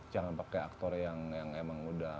jangan pakai aktor yang emang muda